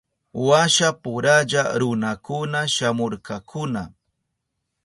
Washapuralla runakuna shamurkakuna.